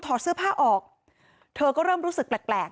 มีชายแปลกหน้า๓คนผ่านมาทำทีเป็นช่วยค่างทาง